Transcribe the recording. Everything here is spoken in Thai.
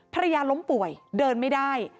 ภรรยาล้มป่วยเดินไม่ได้